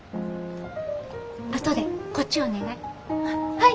後でこっちお願い。